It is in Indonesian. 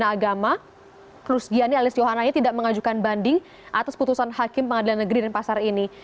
namun sejak awal mengaku tidak berniat sama sekali menghina agama rus giani alias johananya tidak mengajukan banding atas putusan hakim pengadilan negeri dan pasar ini